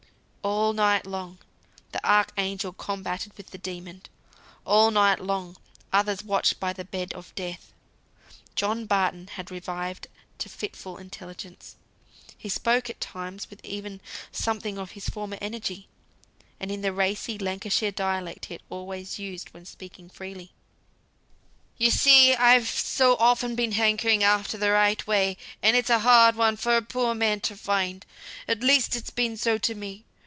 All night long, the Archangel combated with the Demon. All night long, others watched by the bed of Death. John Barton had revived to fitful intelligence. He spoke at times with even something of his former energy; and in the racy Lancashire dialect he had always used when speaking freely. "You see I've so often been hankering after the right way; and it's a hard one for a poor man to find. At least it's been so to me.